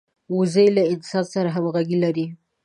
وزې له انسان سره همږغي لري